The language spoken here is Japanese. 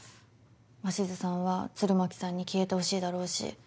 鷲津さんは鶴巻さんに消えてほしいだろうし。